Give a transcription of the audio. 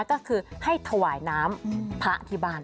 ก็คือให้ถวายน้ำพระที่บ้าน